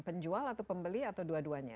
penjual atau pembeli atau dua duanya